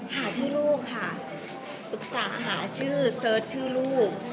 หาชื่อเซิร์ชชื่อลูก